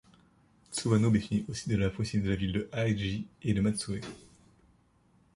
Tsuwano bénéficie aussi de la proximité de la ville de Hagi et de Matsue.